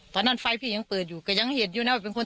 ไฟพี่ยังเปิดอยู่ก็ยังเห็นอยู่นะว่าเป็นคน